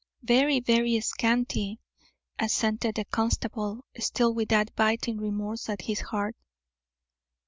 "Very, very scanty," assented the constable, still with that biting remorse at his heart.